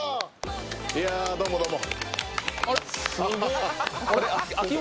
いや、どうもどうも。